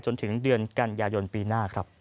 จนถึงเดือนกันยายนปีหน้าครับ